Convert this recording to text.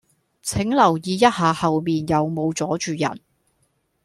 請留意一下後面有無阻住人